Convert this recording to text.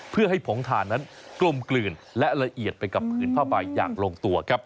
เพื่อให้ผงถ่านนั้นกลมกลื่นและละเอียดไปกับผืนผ้าใบอย่างลงตัวครับ